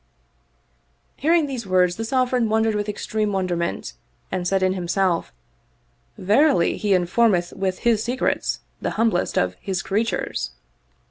Hearing these words the Sovereign wondered with extreme wonderment and said in himself, "Verily He informeth with His secrets the humblest of His creatures